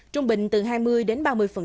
trung bình từ hai mươi đến năm mươi